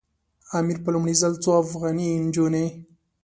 امیر په لومړي ځل څو افغاني نجونې.